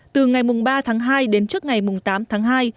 từ ngày ba tháng hai đến trước ngày tám tháng hai